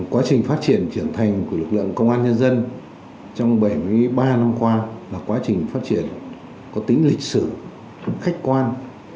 quá trình phát triển trưởng thành của lực lượng công an nhân dân trong bảy mươi ba năm qua là quá trình phát triển có tính lịch sử khách quan